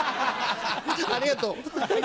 ありがとう。